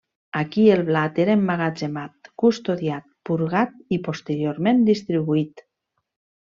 Aquí el blat era emmagatzemat, custodiat, purgat i posteriorment distribuït.